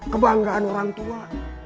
kebanggaan orang tua